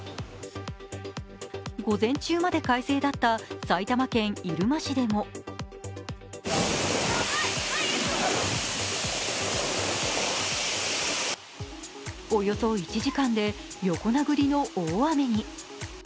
午前中まで快晴だった埼玉県入間市でもおよそ１時間で横殴りの大雨に。